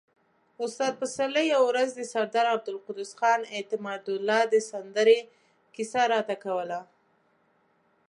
استاد پسرلي يوه ورځ د سردار عبدالقدوس خان اعتمادالدوله د سندرې کيسه راته کوله.